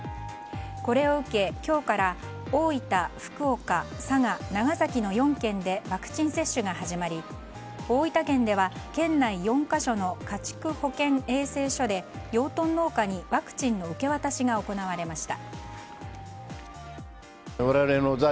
これを受け、今日から大分、福岡、佐賀、長崎の４県でワクチン接種が始まり大分県では県内４か所の家畜保健衛生所で養豚農家にワクチンの受け渡しが行われました。